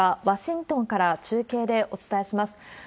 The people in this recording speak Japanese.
ワシントンから中継でお伝えします。